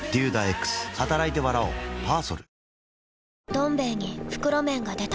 「どん兵衛」に袋麺が出た